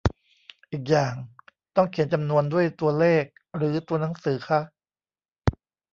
อีกอย่าง ต้องเขียนจำนวนด้วยตัวเลขหรือตัวหนังสือคะ ?